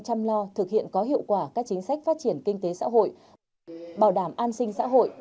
chăm lo thực hiện có hiệu quả các chính sách phát triển kinh tế xã hội bảo đảm an sinh xã hội